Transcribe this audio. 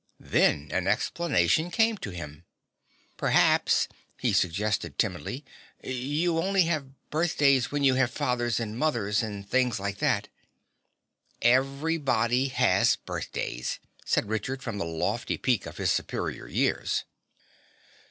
Then an explanation came to him. "P'raps," he suggested timidly, "you only have birthdays when you have fathers and mothers and things like that." "Everybody has birthdays," said Richard from the lofty peak of his superior years.